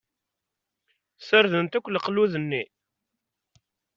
Sardent akk leqlud-nni?